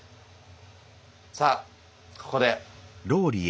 さあここで。